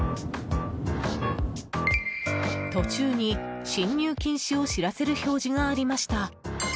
途中に進入禁止を知らせる表示がありました。